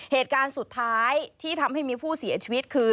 เหตุการณ์สุดท้ายที่ทำให้มีผู้เสียชีวิตคือ